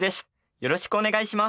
よろしくお願いします。